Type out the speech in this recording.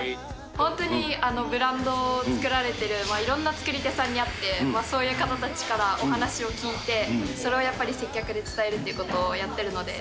本当にブランドを作られてるいろんな作り手さんに会って、そういう方たちからお話を聞いて、それをやっぱり接客で伝えるということをやってるので。